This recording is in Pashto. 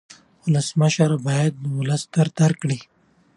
ولسمشر باید د ولس درد درک کړي.